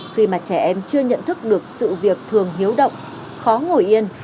khi mà trẻ em chưa nhận thức được sự việc thường hiếu động khó ngồi yên